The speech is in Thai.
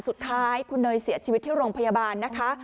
สุดท้ายคุณเนยเสียชีวิตที่โรงพยาบาลนะคะ